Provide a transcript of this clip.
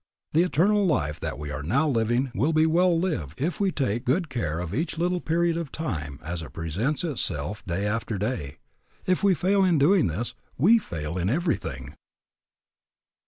The eternal life that we are now living will be well lived if we take good care of each little period of time as it presents itself day after day. If we fail in doing this, we fail in everything.